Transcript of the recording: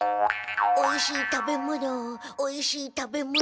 おいしい食べ物おいしい食べ物。